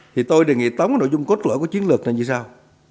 thì tôi đề nghị tóm các nội dung cốt lỗi của chiến lược này như sao